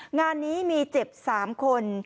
งานนี้มีเจ็บ๓คน